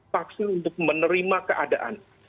paksa untuk menerima keadaan